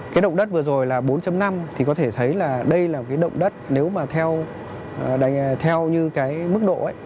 cái động đất vừa rồi là bốn năm thì có thể thấy là đây là cái động đất nếu mà theo như cái mức độ ấy